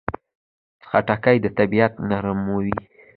خټکی د طبعیت نرموي.